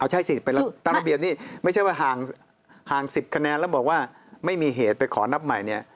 ใช่สิไปตั้งระเบียนนี่ไม่ใช่ว่าห่าง๑๐คะแนนแล้วบอกว่าไม่มีเหตุไปขอนับใหม่เนี่ย